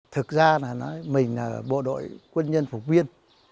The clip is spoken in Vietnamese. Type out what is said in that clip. thực ra là nói mình là bộ đội quân nhân phục viên